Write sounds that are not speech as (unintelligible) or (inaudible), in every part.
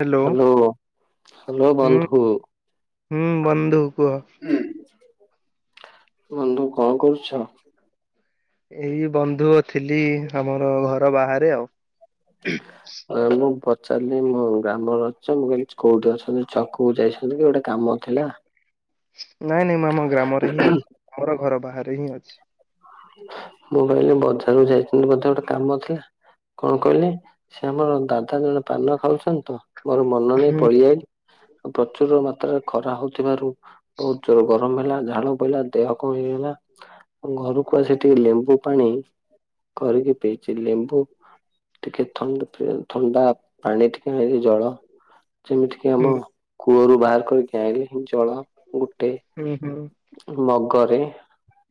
Hello hello ହଁ ବନ୍ଧୁ ହୁଁ ବନ୍ଧୁ କୁହ ବନ୍ଧୁ କଣ କରୁଛ? ଏଇ ବନ୍ଧୁ ଥିଲି ଆମର ଘର ବାହାରେ ଆଉ ହଁ। ଏ ମୁଁ ପଚାରିଲି ମୋ ଗ୍ରାମରେ ଅଛ ମୁଁ କୋଉଠି ଅଛନ୍ତି ଛକକୁ ଯାଇଛନ୍ତି କି ଗୋଟେ କାମ ଥିଲା। ନାଇଁ ନାଇଁ ମୁଁ ଆମ ଗ୍ରାମରେ ହିଁ ଅଛି ଆମର ଘର ବାହାରେ ହିଁ ଅଛି। ମୁଁ କହିଲି ବଜାରରୁ ଯାଇଛନ୍ତି ବ ଗୋଟେ କାମ ଥିଲା। କଣ କହିଲେ ସେ ଆମର ଦାଦା ଜଣେ ପାନ ଖାଉଛନ୍ତି ତ ମୋର ମନ ନେଇ ହୁଁ ପଳଆଇଲେ। ପ୍ରଚୁର ମାତ୍ରାରେ ଖରା ହଉଥିବାରୁ ବହୁତ ଜୋର ଗରମ ହେଲା ଝାଳ ପହିଲା ଦେହ କମ ହେଇଗଲା ଘରକୁ କକୁୁଆ ସେଠିକେ ଲେମ୍ବୁ ପାଣି କରିକି ପିଇଛି ଲେମ୍ବୁ ଟିକେ ଥଣ୍ଡ ଥଣ୍ଡା ପାଣି ଟିକେ ଆଣି ଜଳ ଯେମିତି କିି ଆମ ହୁଁ କୂଅରୁ ବାହାର କରିକି ଆଣଲେ ଜଳ ଗୋଟେ ହୁଁ ହୁଁ ମଗରେ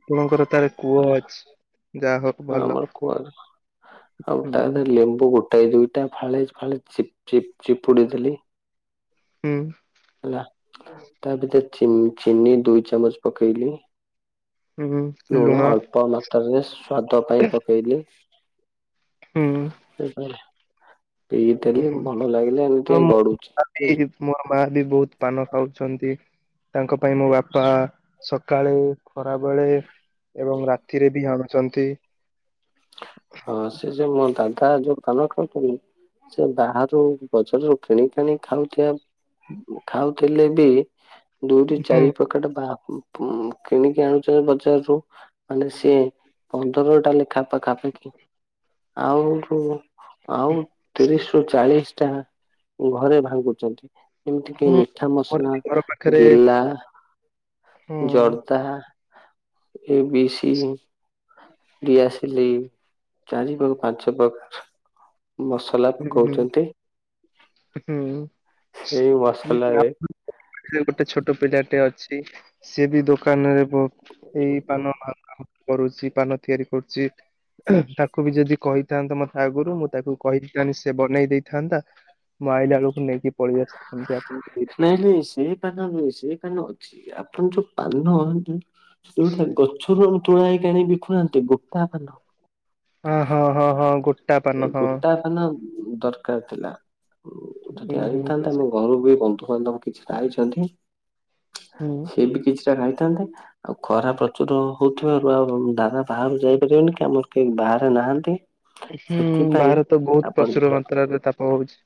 ଆପଣଙ୍କର ତାର କୂହ ଅଛି ଯାହା ହ ହଁମର କୁହ ହୁଁ ଆଉୋଟା ଲେମ୍ବୁ କୁ ଗୋଟେ ଦୁଇଟା ଫାଳେ ଫା ଚପ ଚିପ ଚିପୁଡ଼ି ଦେଲି। ହୁଁ। ହେଲା ତା ଭିତରେ ଚିନି ଦୁଇ ଚାମଚ ପକେଇଲି। ଲୁଣ ଅଳ୍ପ ମାତ୍ରାରେ ସ୍ୱାଦ ପାଇଁ ପକେଇଲି। ହୁଁ। ଏଇଟାରେ ହୁଁ। ଭଲ ଲାଗିଲେ ଏମିତି ଆଉ ଟି ମୁଁ ଗଡୁଚି ବି ଚି ମୋ ବାପା ବି ବୋହୁତ ପାନ ଖାଉଛନ୍ତି। ତାଙ୍କ ପାଇଁ ମୋ ବାପା ସକାଳୁ ଖରାବେେଳେ ଏବଂ ରାତିରେ ବି ଆାଣୁଚନ୍ତି। ହଁ ସେ ଯୋଉ ମୋ ଦାଦା ଯୋଉ ପାନ ଖାଉଥୁବେ ସେ ବାହାରୁ ବଜାରରୁ କିଣିକାଣି ଖାଉଥିବା ଖାଉଥିଲେ ବି ଦୁଇଟି ହୁଁ ଚାରି ପକେଟ ବା ଉ ଉଁ କିଣିକି ଆଣୁଛ ବଜାରରୁ ମାନେ ସିଏ ପନ୍ଦରଟା ଲେଖା ପଖାପାଖି ଆଉ ଫୁଣି ଆଉ ତିରିଶରୁ ଚାଳିଶଟା ଘରେ ଭାଙ୍ଗୁଚନ୍ତି। ଏମତି କିି ହୁଁ। ମିଠା ଆମର ମସଲା ବି ଘର ପାଖରେ ଗିଲା ହୁଁ ଜର୍ଦା ଏ ବି ସି ଗ୍ୟାସ୍ ଲି ଚାରି ବା ପାଞ୍ଚ ପ୍ରକାର ମସ ମସଲା ହୁଁ ହୁଁ। ପକୋଚନ୍ତି ହୁଁ ସେଇ ମସଲାରେ ସେ ଯୋଉ ଗୋଟେ ଛୋଟ ପିଲାଟେ ଅଛି ସିଏ ବି ଦୋକାନରେ ବ ଏଇ ପାନ ଭା-କାମ-କରୁଚି ପାନ ତିଆରି କରୁଚି। ତାକୁ ବି ଯଦି କହିଥାନ୍ତ ମତେ ଆଗରୁ ମୁଁ ତାକୁ କହି ତାହେନେ ସିଏ ବନେଇ ଦେଇଥାନ୍ତା ମଁ ଆଇଲା ବେଳକୁ ନେଇକି ପଳେଇ ଆସିଥାନ୍ତି ଆପଣଙ୍କୁ ଦେଇ ନାଇଁ ନାଇଁ ସେ ପାନ ନୁଁହ ସେ ପାନ ଅଛି ଆପଣ ଯୋଉ ପାନ ଭାଙ୍ଗି ସେଉଟା ଗଛରୁ ଆପଣ ତୋଳା ହେଇକି ଆଣି ବିକୁୁନାହାନ୍ତି ଗୋଟା ପାନ? ହଁ ହଁ ହଁ ହଁ ଗୋ ସେଇ ଗୋଟା ପାନ ଦରକାର ଥିଲା ହୁଁ ଟିକେ ହୁଁ ଆଣିଥାନ୍ତା ମୁଁ ଘରୁକୁ ବନ୍ଧୁବାନ୍ଧବ କିଛିଟା ଆଇଚନ୍ତି ହୁଁ ସେ ବି କିଛିଟା ଖାଇଥାନ୍ତେ। ଆଉ ଖରା ପ୍ରଚୁର ହୋଉଥିବାରୁ ଆଉ ଦାଦା ବାହହାରାରୁ ଯାଇପାରିବନି କି ଆମର କେହି ବାହାରେ ନାହାନ୍ତି। ହୁଁ ସେଥିପାଇଁ ବାହାରେ ତ ବୋହୁତ ଆପଣ ପ୍ରଚୁର ମାତ୍ରାରେ ତାପ ହୋଉଚି।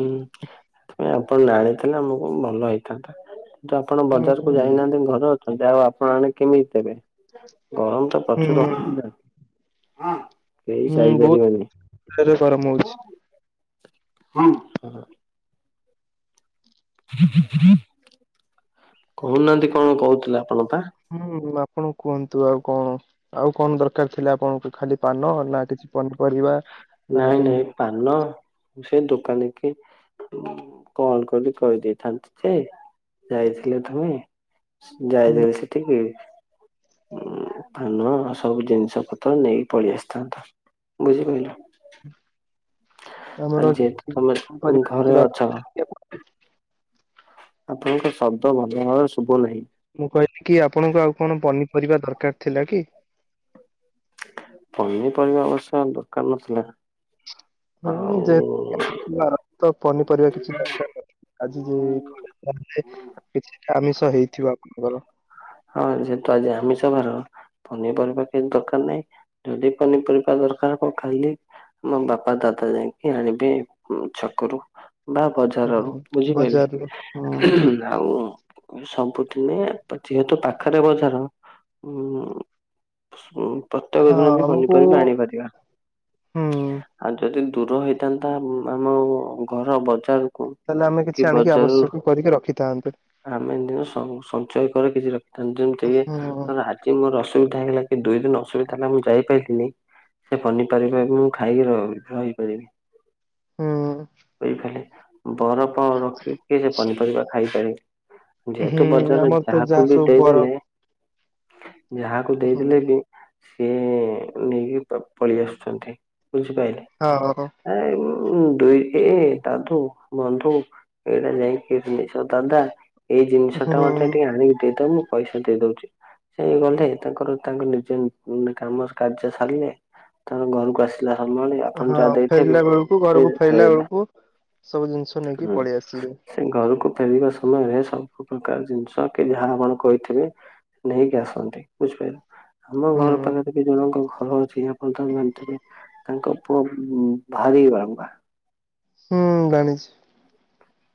ହୁଁ ଏଥିପାଇଁ ଆପଣ ଆଣିଥିଲେ ଆମକୁ ଭଲ ହେଇଥାନ୍ତା। କିନ୍ତୁ ଆପଣ ହୁଁ ହୁଁ ବଜାରକୁ ଯାଇନାହାନ୍ତି ଘରେ ଅଛନ୍ତି ଆଉ ଆପଣ ଆଣିକି କେମିତି ଦେବେ ଗରମ ତ ହୁଁ ଅଛୁତ ହୁଁ ବୋହୁତ (unintelligible) ଗରମ ହୋଉଚି। ହଁ ହଁ ହଁ। କୋହୁନାହାନ୍ତି କଣ କୋହୁଥିଲେ ଆପଣ ପା? (unintelligible) ଆପଣ କୁହନ୍ତୁ ଆଉ କଣ? ଆଉ କଣ ଦରକାର ଥିଲା ଆପଣଙ୍କୁ ଖାଲି ପାନ ନା କିଛି ପନିପରିବା? ନା ନାଇଁ ନାଇଁ ଯେମିତି ପାନ। ସେ ଦୋକାନୀକି କଲ୍ କରି କହିଦେଇଥାନ୍ତି ଯେ ଯାଇଥିଲ ତମେ ସେ ଯାଇଥିଲ ସେଠିକି। ଉଁ ପାନ ସବୁ ଜିନିଷ ପତ୍ର ନେଇକି ପଳେଇ ଆସିଥାନ୍ତ ବୁଝିପାଇଲ? ଆମର ଯେହେତୁ ତମେ ଘରେ ଅଛ (unintelligible) ଆପଣଙ୍କ ଶବ୍ଦ ଭଲ ଭାବରେ ଶୁବ ନାହିଁ। ମୁଁ କହିଲି କି ଆପଣଙ୍କୁ ଆଉ କଣ ପନିପରିବା ଦରକାର ଥିଲା କି? ପନିପରିବା ଅବଶ୍ୟ ଦରକାର ନଥିଲା ହୁଁ ଯେ ଜର ତ ପନିପରିବା କିଛି ଦରକାର (inaudible) ଆଜି ଯେ ଘରେ କହିଲେ କିଛିଟା ଆମିଷ ହେଇଥିବ ଆପଣଙ୍କର। ହଁ ଯେହେତୁ ଆଜି ଆମିଷ ବାର। ପନିପରିବା କିଛି ଦରକାର ନାହିଁ ଯଦି ପନିପରିବା ଦରକାର ହବ ଖାଲି ମୋ ବାପା ଦାଦା ଯାଇଁକି ଆଣିବେ ଛକରୁ। ବା ବଜାରରୁ ହୁଁ ବଜାରରୁ ହୁଁ ବୁଝିପାରିଲେ? ଆଉ ସବୁଦିନେ ତ ଯେହେତୁ ପାଖରେ ବଜାର ଉ-ଉ-ଉ-ଉ ସ୍ପୁ ପ୍ରତ୍ୟେକ ହଁ ଦିନ ବି ଆମକୁ ପନିପରିବା ଆଣିପାରିବା। ହୁଁ ଆଉ ଯଦି ଦୂର ହେଇଥାନ୍ତା ଆମ୍ ଆମ-ଅ-ଅ-ଅ ଘର ବଜାରକୁ ତାହେଲେ ଆମେ କି କିଛି ଆଣିକି ବଜାରରୁ ଆବଶ୍ୟକ କରିକି ରଖିଥାନ୍ତେ। ଆମେ ଏଦିନୁ ସଂ ସଞ୍ଚୟ କରି କିଛି ରଖିଥାନ୍ତୁ ଯେମିତି ହୁଁ କି ଆ-ଆ ଜି ମୋର ଅସୁବିଧା ହେଲା କି ଦୁଇ ଦିନ ଅସୁବିଧା ହେଲା ମୁଁ ଯାଇପାଇଲିନି ସେ ପନିପରିବାକୁ ଖାଇକି ରହି ରହିପାରିବି। ହୁଁ। (unintelligible) ବରଫ ରଖିକି ସେ ପନିପରିବା ଖାଇପାରିବେ। ଯେହେତୁ ହୁଁ ବଜାରରେ ଆମର ତ ଯାହାକୁ ଯାହା ବି ସବୁ ବରଫ ଦେଇଦେଲେ ଯାହାକୁ ହୁଁ ଦେଇଦେଲେ ବି ସିଏ-ଏ-ଏ-ଏ ନେଇକି ପ ପଳେଇ ଆସୁଛନ୍ତି। ବୁଝିପାରିଲେ? ହଁ ହଁ ହଁ। ଆ-ଆ-ଉ-ଉ-ଉ ଦୁଇ ଏ ତାଠୁ ବନ୍ଧୁ ଏଇଟା ନେଇକି ଜିନିଷ ଦାଦା ଏଇ ଜିନିଷ ଟା ହୁଁ ମତେ ଟିକେ ଆଣିକି ଦେଇଦବ ମୁଁ ପଇସା ଦେଇ ଦଉଛି। ସେ ଗଲେ ତାଙ୍କର ତାଙ୍କ ନିଜ ଉ-ଉ କାମ କାର୍ଯ୍ୟ ସାରିଲେ ତାଙ୍କ ଘରକୁ ଆସି ହଁ ଫେରିଲା ବେଳକୁ ଘରକୁ ଫେରିଲା ସେ ବେଳକୁ ସବୁ ଜିନିଷ ନେଇକି ହୁଁ ପଳେଇ ଆସିବେ। ସେ ଘରକୁ ଫେରିବା ସମୟରେ ସବୁ ପ୍ରକାର ଜିନିଷ ଅ କି ଯାହା ଆପଣ କହିଥିବେ ନେଇକି ଆସନ୍ତି ବୁଝିପାରିଲ। ଆମ ହୁଁ ଘର ପାଖରେ ଦି ଜଣଙ୍କ ଘର ଅଛି ଆ ପଣ ତାକୁ ମେଣ୍ଟେନ ତାଙ୍କ ପୁଅ ଉ-ଉ-ଉ ଭାରି ବା ବା। ହୁଁ-ଉ-ଉ ଜାଣିଛି।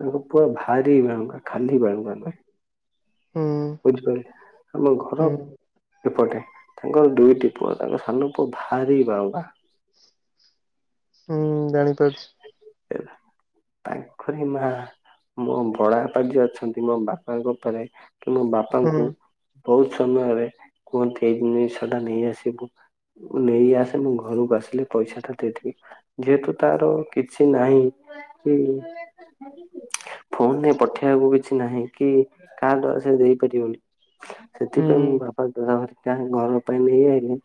ତାଙ୍କ ପୁଅ ଭାରି ବାଳୁଙ୍ଗା ଖାଲି ବାଳୁଙ୍ଗା ବା। ହୁଁ। ବୁଝିପାରିଲେ ଆମ ହୁଁ ଘର ଏପଟେ ତାଙ୍କର ଦୁଇଟି ପୁଅ ତାଙ୍କ ସାନ ପୁଅ ଭାରି ବାଉଙ୍ଗା। ହୁଁ-ଉ-ଉ-ଉ ଜାଣିପାରୁଛି। ଏଲା ତାଙ୍କରି ମା ମୋ ବଡ ଅପା ଝିଅ ଅଛନ୍ତି ମୋ ବାପାଙ୍କ ଉପରେ କି ମୋ ହୁଁ ବାପାଙ୍କୁ ବହୁତ ସମୟରେ କୁହନ୍ତି ଏଇ ଜିନିଷଟା ନେଇ ଆସିବୁ। ନେଇ ଆସେ ମୁଁ ଘରକୁ ଆସିଲେ ପଇସା ଟା ଦେଇଦେବି। ଯେହେତୁ ତାର କିଛି ନାହିଁ କି ଫୋନ୍ ରେ ପଠେଇବାକୁ କିଛି ନାହିଁ କି କାହା ଦ୍ୱାରା ସେ ଦେଇପାରିବନି। ହୁଁ ସେଥିପାଇଁ ମୋ ବାପା ତା ଘରିକା ଘର ପାଇଁ ନେଇ ଆଇଲେ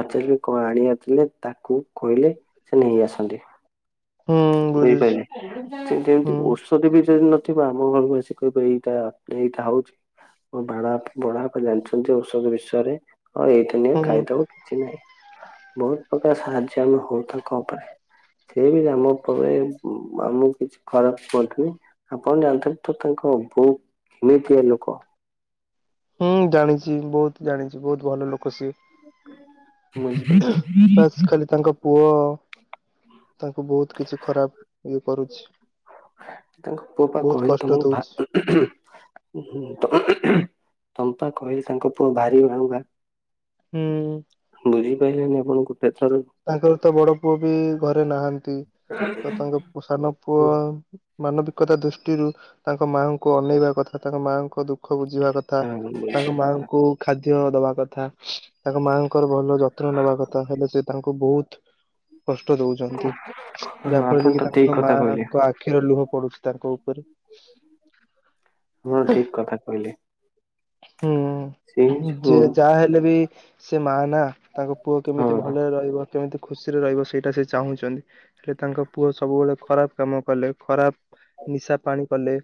ପଚାର କଣ ଆଣିଆର ଥିଲେ ତାକୁ କହିଲେ ସେ ନେଇ ଆସନ୍ତି। ହୁଁ ବୁଝୁଛି ହୋଇପାରି ଯେମିତି ଏମିତି ହୁଁ ଔଷଧ ବି ଯଦି ନ ଥିବ ଆମ ପାଖକୁ ଆସି କହିବେ ଏଇଟା ଏଇଟା ହଉଛି ମୋ ବାରାପ୍ ବଡଆପା ଜାଣିଛନ୍ତି ଔଷଧ ବିଷୟରେ ଆଉ ଏଇଥି ନିଅ ହୁଁ ଖାଇଦବ କିଛି ନାହିଁ। ବହୁତ ପ୍ରକାର ସାହାଯ୍ୟ ଆମେ ହଉ ତାଙ୍କ ଉପରେ। ସେ ବି ଆମ ଉ ପରେ ଉ-ଉ ଆମକୁ କିଛି ଖରାପ କୁହନ୍ତିନି ଆପଣ ଜାଣିଥିବେ ତଥାପି କହୁ ବୁ ଏମିତିଆ ଲୋକ। ହୁଁ ଜାଣିଛି ବହୁତ ଜାଣିଛି ବହୁତ ଭଲ ଲୋକ ସିଏ। ବାସ୍ ହୁଁ। ଖାଲି ତାଙ୍କ ପୁଅ ତାଙ୍କୁ ବହୁତ କିଛି ଖରାପ ଇଏ କରୁଛି। ତାଙ୍କ ପୁଅ ପା ବହୁତ କହିଲି କଷ୍ଟ ତମକୁ ଭା ଦଉଛି (unintelligible) ତମପା କହିଲି ତାଙ୍କ ପୁଅ ଭାରି ବାଳୁଙ୍ଗା। ହୁଁ। ବୁଝିପାଇଲେନା ଆପଣଙ୍କୁ ଟେ ଥର। ତାଙ୍କର ତ ବଡ ପୁଅ ବି ଘରେ ନାହାନ୍ତି ତ ତାଙ୍କ ସାନ ପୁଅ ହଁ ମାନବିକତା ଦୃଷ୍ଟିରୁ ତାଙ୍କ ମାଆଙ୍କୁ ଅନେଇବା କଥା ତାଙ୍କ ମାଆଙ୍କ ଦୁଃଖ ବୁଝିବା କଥା। ଥା ତାଙ୍କ ମାଙ୍କୁ ଖାଦ୍ୟ ଦବା କଥା ତାଙ୍କ ମାଆଙ୍କର ଭଲ ଯତ୍ନ ନବା କଥା ହେଲେ ସେ ତାଙ୍କୁ ବହୁତ୍ କଷ୍ଟ ଦୋଉଚନ୍ତି ଆପଣ ଯାହାଫଳରେ ତ କି ଠିକ ତାଙ୍କ କଥା କହିଲେ ମାଙ୍କ ଆଖ କ୍ଷୀର ଲୁହ ପଡୁଚି ତାଙ୍କ ଉପରେ। ହଁ ଠିକ୍ କଥା କହିଲେ? ସେ ହୁଁ ସବୁ ଯେ ଯାହା ହେଲେ ବି? ସେ ମା ନା ତାଙ୍କ ପୁଅ ହଁ କେମିତି ଭଲରେ ରହିବ କେମିତି? ଖୁସିରେ ରହିବ ସେଇଟା ସେ ଚାହୁଁଚନ୍ତି ହେଲେ ତାଙ୍କ ପୁଅ ସବୁବେଳେ ଖରାପ କାମ କଲେ ଖରାପ ନିଶା ପାଣି କଲେ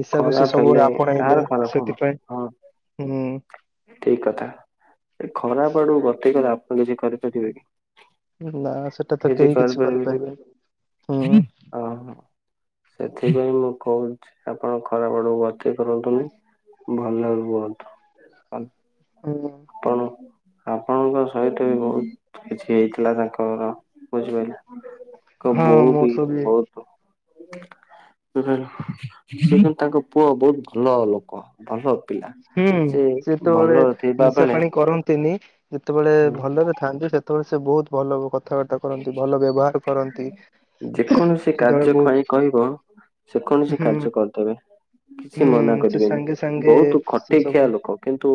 ନିଶା କୁ ସେ ଖରାପ ହେଲେ ସବୁବେଳେ କାହାର ଆପଣେଇଲେ ଖରାପ ହବ ସେଥିପାଇଁ? ହୁଁ। ଠିକ୍ କଥା ଏ ଖରାପ ଆଡୁ ଗତେ କଲେ ଆପଣ କିଛି କରିପାରିବେ କି? ନା ସେଟା ତ କେହି କିଛି କରିପାରିବେନି? ହୁଁ ହ ହ? ସେଥିପାଇଁ ମୁଁ କହୁଚି ଆପଣ ଖରାପ ଆଡକୁ ଗତି କରନ୍ତୁନି? ଭଲ ରୁହନ୍ତୁ? ଅନ୍ ହଁ। ଆପଣ? ଆପଣଙ୍କ ସହିତ ବି ବୋହୁତ କିଛି ହେଇଥିଲା ତାଙ୍କର ବୁଝିପାଇଲେ? କ ହଁ ବୋଉ ମୋ ବି ସହ ବୋହୁତ୍? ସିଏ ତାଙ୍କ ପୁଅ ବୋହୁତ ଭଲ ଲୋକ ଭଲ? ପିଲା। ହୁଁ ସେ ସେତବେଳେ ଭଲ ଥିବା ନିଶା ବେଳେ ପାଣି କରନ୍ତିନି ଯେତେବେଳେ ଭଲରେ ଥାଆନ୍ତି ସେତେବେଳେ ସେ ବୋଉତ୍ ଭଲ କଥ କଥାବାର୍ତ୍ତା କରନ୍ତି ଭଲ ବ୍ୟବହାର କରନ୍ତି ଯେକୌଣସି ସେତେବେଳେ କାର୍ଯ୍ୟ ପାଇଁ ବୋହୁତ୍ କହିବ ସେ କୌଣସି କାର୍ଯ୍ୟ କରିଦେବେ କିଛି ମନା ହୁଁ ସେ କରିବେନି ସାଙ୍ଗେ ସାଙ୍ଗେ ବୋହୁତ୍ ସେ ଖଟେ ଖିଆ ସବୁ ଲୋକ କିନ୍ତୁ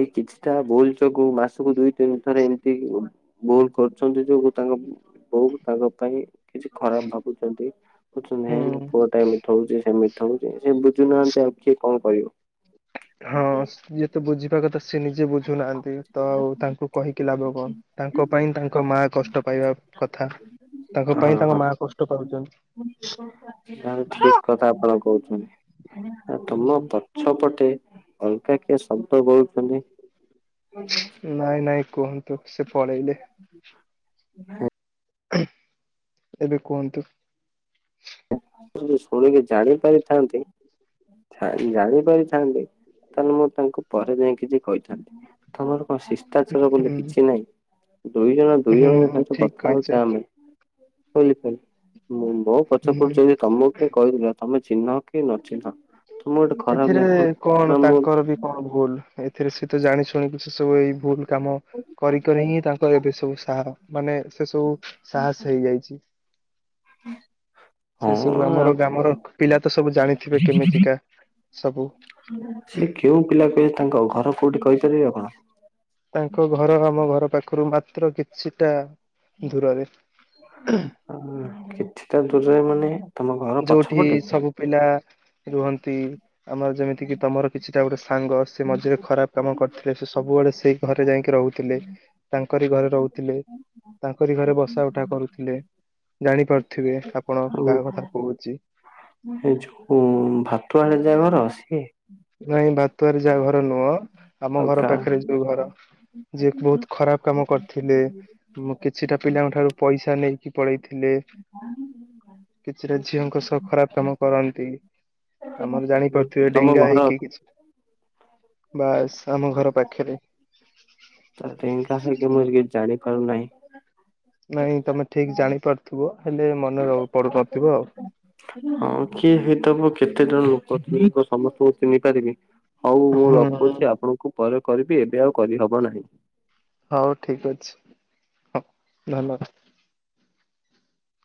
ଏଇ କିଛିଟା ଭୁଲ ଯୋଗୁ ମାସକୁ ଦୁଇ ତିନି ଥରେ ଏମିତି ଭୁଲ କରୁଛନ୍ତି ଯୋଉ ତାଙ୍କ ବୋଉ ତାଙ୍କ ପାଇଁ କିଛି ଖରାପ ଭାବୁଚନ୍ତି? ହୁଁ ବୁଝୁନେଇ ମୋ ପୁଅ ଟା ଏମିତି? ଥଉଚି ସେମିତି ଥାଉ ସେ ବୁଝୁନାହାନ୍ତି ଆଉ କିଏ କଣ କରିବ? ହଁ ସିଏ ତ ବୁଝିବା କଥା ସେ ନିଜେ ବୁଝୁନାହାନ୍ତି? ତ ଆଉ ତାଙ୍କୁ କହିକି ଲାଭ କଣ ତାଙ୍କ ପାଇଁ ତାଙ୍କ ମା କଷ୍ଟ ପାଇବା କଥା? ତାଙ୍କ ହଁ ପାଇଁ ତାଙ୍କ ମା କଷ୍ଟ ପାାରୁଚନ୍ତି? ତାଲେ ଠିକ୍ କଥା ଆପଣ କହୁଚନ୍ତି ତମ ହୁଁ ଛ ପଟେ ଅଲଗା କିଏ ଶବ୍ଦ କୋହୁଚନ୍ତି? ନାଇଁ ନାଇଁ କୁହନ୍ତୁ ସେ ପଳେଇଲେ? ଏବେ କୁହନ୍ତୁ? ଯଉ ଶୁଣିକି ଜାଣି ପାରିଥାନ୍ତି? ଜାଣି ପାରିଥାନ୍ତି ତାହେଲେ ମୁଁ ତାଙ୍କୁ ପରେ ଯାଇ କିଛି କହିଥାନ୍ତି? ଥ ତମର କଣ ସିସ୍ ଚାର ବୋଲି ହୁଁ କିଛି ନାହିଁ ଦୁଇ ଜଣ ଦୁଇ ଜଣଙ୍କ ହୁଁ ସହିତ ଠିକ କଥା କହିଛ ହଉଚେ ଆମେ କଇଲିକଇଲି ମ ମୋ ପଛ ହୁଁ ପଡୁଚି ତମ କେ କ ଇଲା ତମେ ଚିହ୍ନ କି ନ ଚିହ୍ନ ତମକୁ ଗୋଟେ ଖରାପ ଏଥିରେ ଲାଗିବ ନା କଣ ମୁଁ ତାଙ୍କର ବି କଣ ଭୁଲ୍। ଏଥିରେ ସହିତ ଜାଣି ଶୁଣିକି ସେ ସବୁ ଏଇ ଭୁଲ କାମ କରି ଭିତରେ ହିଁ ତାଙ୍କର ଏବେ ସବୁ ସା ମାନେ ସେ ସବୁ ସାହସ ହେଇଯାଇଚି। ହୁଁ। ସେ ସବୁ ଆମର ଗ୍ରାମର ପିଲା ତ ସବୁ ଜାଣିଥିବେ କେମିତିକା ସବୁ। ସେ କେଉଁ ପିଲା କହେ ତାଙ୍କ ଘର କୋଉଠି କହିପାରିବେ ଆପଣ? ତାଙ୍କ ଘର ଆମ ଘର ପାଖରୁ ମାତ୍ର କିଛିଟା ଦୂରରେ। ହ କିଛିଟା ଦୂରରେ ମାନେ? ତମ ଘର ଯୋଉଠି ପଛପଟେ କି? ସବୁ ପିଲା ରୁହନ୍ତି। ଆମର ଯେମିତି କିି ତମର କିଛିଟା ଗୋଟେ ସାଙ୍ଗ ସେ ମଝିରେ ଖରାପ କାମ କରିଥିଲେ ସେ ସବୁବେଳେ ସେଇ ଘରେ ଯାଇକି ରହୁଥିଲେ ତାଙ୍କରି ଘରେ ରହୁଥିଲେ। ତାଙ୍କରି ଘରେ ବସା ଉଠା କରୁଥିଲେ ଜାଣିପାରୁଥିବେ ଆପଣ ଆଉ କାହା କଥା କହୁଚି। ଏ ଯୋଉ ଭାତୁ ଆଡେ ଜା ଘର? ସିଏ ନାଇଁ ବାତୁଆରେ ଯାହା ଘର ନୁହଁ ଆଉ ଆମ କା ଘର ପାଖରେ ଯୋଉ ଘର ଯିଏ ବୋହୁତ ଖରାପ କାମ କରିଥିଲେ। ମୁଁ କିଛିଟା ପିଲାଙ୍କ ଠାରୁ ପଇସା ନେଇକି ପଳେଇଥିଲେ। କିଛିଟା ଝିଅଙ୍କ ସହ ଖରାପ କାମ କରନ୍ତି, ଆମର ଜାଣିପାରୁଥିବେ ତମ ଡେଙ୍ଗା ହେଇ ଘର ବାସ୍ ଆମ ଘର ପାଖରେ। ତ ଟଙ୍କ ସେ କି ମୁଁ କିଛି ଜାଣିପାରୁହିଁ। ନାଇଁ ତମେ ଠିକ ଜାଣିପାରୁଥିବ ହେଲେ ମନେ ର ପଡୁନଥିବ ଆଉ। ହଁ କିଏ ହେଇଥବ କେତେ ଜଣ ଲୋକ ସମସ୍ତଙ୍କୁ ଚିହ୍ନି ପାରିବି। ହଉ ମୁଁ ହୁଁ ରଖୁଚି ଆପଣଙ୍କୁ ପରେ କରିବି ଏବେ ଆଉ କରିହବ ନାହିଁ। ହଉ ଠିକ ଅଛି ହୋଉ ଧନ୍ୟବାଦ।